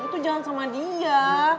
itu jangan sama dia